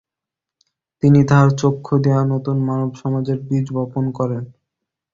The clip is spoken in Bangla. তিনি তাহার চক্ষু দিয়া নতুন মানব সমাজের বীজ বপন করেন।